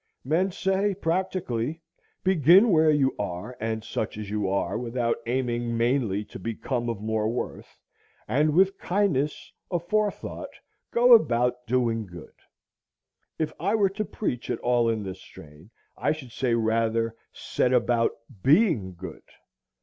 Men say, practically, Begin where you are and such as you are, without aiming mainly to become of more worth, and with kindness aforethought go about doing good. If I were to preach at all in this strain, I should say rather, Set about being good.